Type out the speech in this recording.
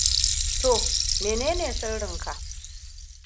Toh, menene sirrin ka?